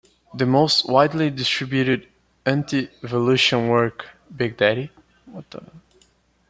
The most widely distributed antievolution work, Big Daddy?